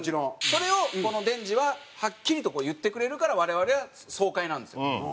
それをこのデンジははっきりと言ってくれるから我々は爽快なんですよ。